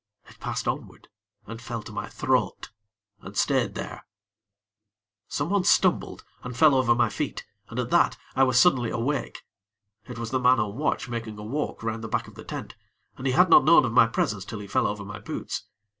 It passed onward and fell to my throat and stayed there ... Some one stumbled and felt over my feet, and at that, I was suddenly awake. It was the man on watch making a walk round the back of the tent, and he had not known of my presence till he fell over my boots.